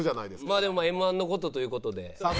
まあでもＭ−１の事という事で。